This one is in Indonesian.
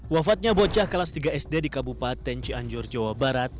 wafatnya bocah kelas tiga sd di kabupaten cianjur jawa barat